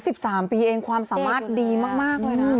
สิบสามปีเองความสามารถดีมากเลยนะ